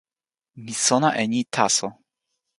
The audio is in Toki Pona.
mi sona e ni taso.